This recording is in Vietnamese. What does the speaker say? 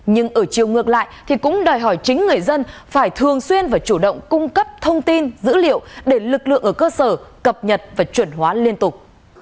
nhưng ở chiều ngược lại thì cũng đòi hỏi chính người dân phải thường xuyên và chủ động cung cấp thông tin dữ liệu để lực lượng ở cơ sở cập nhật và chuẩn hóa liên tục